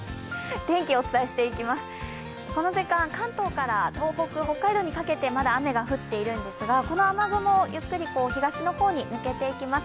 天気お伝えしていきます、この時間関東から東北、北海道にかけてまだ雨が降っているんですがこの雨雲ゆっくりと東の方に抜けていきます。